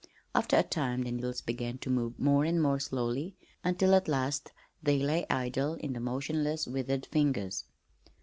After a time the needles began to move more and more slowly until at last they lay idle in the motionless, withered fingers.